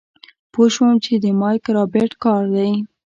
پوه شوم چې د مايک رابرټ کار دی.